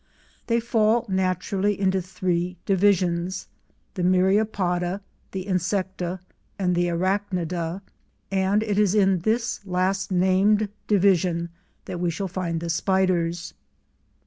They fall naturally into three divisions, the Myriapoda, the Insecta and the Arachnida, and it is in this last named division that we shall find the spiders.